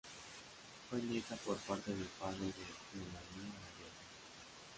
Fue nieta por parte de padre de Melania la Vieja.